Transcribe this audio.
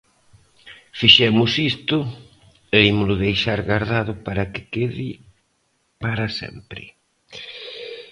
Fixemos isto e ímolo deixar gardado para que quede para sempre.